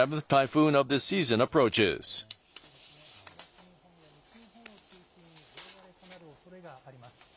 東日本や西日本を中心に大荒れとなるおそれがあります。